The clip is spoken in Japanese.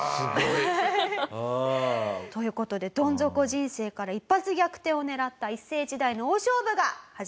うん。という事でどん底人生から一発逆転を狙った一世一代の大勝負が始まります。